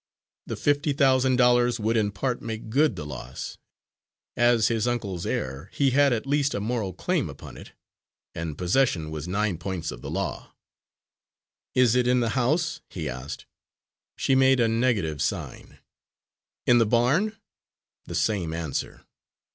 The fifty thousand dollars would in part make good the loss; as his uncle's heir, he had at least a moral claim upon it, and possession was nine points of the law. "Is it in the house?" he asked. She made a negative sign. "In the barn?" The same answer.